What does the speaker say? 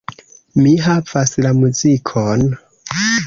Mi havas la muzikon.